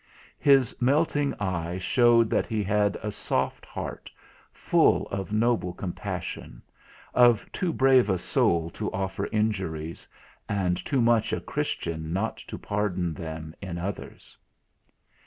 His melting eye showed that he had a soft heart, full of noble compassion; of too brave a soul to offer injuries, and too much a Christian not to pardon them in others.